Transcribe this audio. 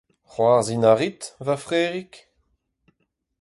C’hoarzhin a rit, va frerig ?